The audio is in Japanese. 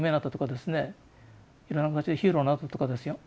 いろんな形でヒーローになったとかですよ